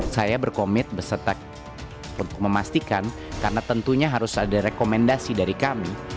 saya berkomit beserta untuk memastikan karena tentunya harus ada rekomendasi dari kami